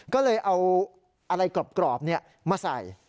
ก็เลยเอาอะไรกรอบมาใส่